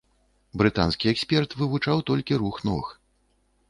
Брытанскі эксперт вывучаў толькі рух ног.